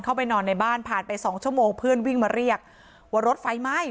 เข้าไปนอนในบ้านผ่านไปสองชั่วโมงเพื่อนวิ่งมาเรียกว่ารถไฟไหม้